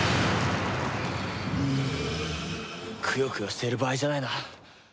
くよくよしている場合じゃないな。